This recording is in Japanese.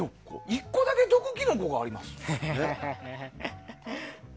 １個だけ毒キノコがあります？